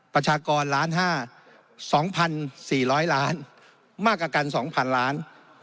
ประชากร๑ล้าน๕๒๔๐๐ล้านมากกว่ากัน๒๐๐๐ล้าน